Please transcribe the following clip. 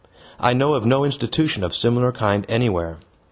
I know of no institution of similar kind anywhere.